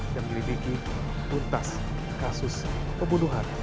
dan menjadi bikin puntas kasus pembunuhan